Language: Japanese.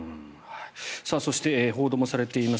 そして、報道もされています